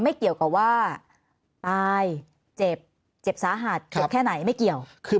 ไม่เกี่ยวกับว่าตายเจ็บเจ็บสาหัสเจ็บแค่ไหนไม่เกี่ยว